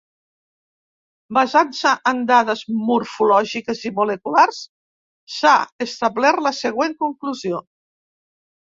Basant-se en dades morfològiques i moleculars s'ha establert la següent conclusió.